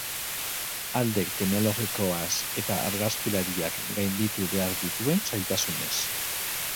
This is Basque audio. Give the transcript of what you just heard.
Alde teknologikoaz eta argazkilariak gainditu behar dituen zailtasunez.